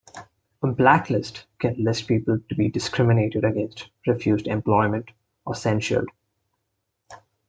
A blacklist can list people to be discriminated against, refused employment, or censured.